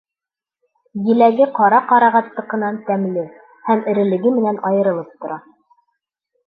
Еләге ҡара ҡарағаттыҡынан тәмле һәм эрелеге менән айырылып тора.